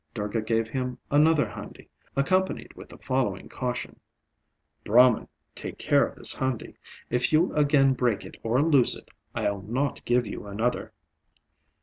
Durga gave him another handi, accompanied with the following caution "Brahman, take care of this handi; if you again break it or lose it, I'll not give you another."